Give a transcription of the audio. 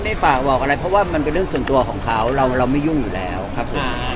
ไม่ฝากบอกอะไรเพราะว่ามันเป็นเรื่องส่วนตัวของเขาเราไม่ยุ่งอยู่แล้วครับผม